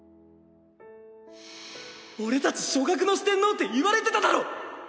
俺たち「曙學の四天王」って言われてただろ！